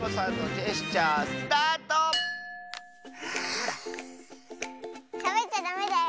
しゃべっちゃダメだよ。